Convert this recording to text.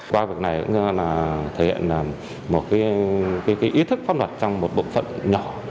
qua việc này cũng là thể hiện một cái ý thức pháp luật trong một bộ phận nhỏ